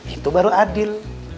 itu baru adil